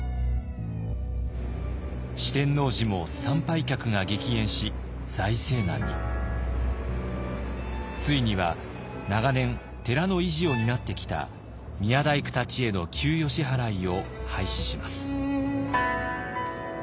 四天王寺もついには長年寺の維持を担ってきた宮大工たちへの給与支払いを廃止します。